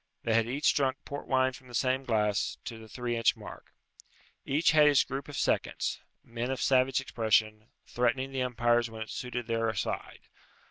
They had each drunk port wine from the same glass, to the three inch mark. Each had his group of seconds men of savage expression, threatening the umpires when it suited their side.